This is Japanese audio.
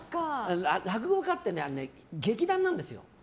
落語家って劇団なんですよ。